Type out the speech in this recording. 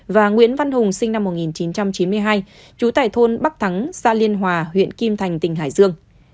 và nguyễn văn hùng sinh năm một nghìn chín trăm chín mươi hai trú tại thôn bắc thắng xã liên hòa huyện kim thành tỉnh hải dương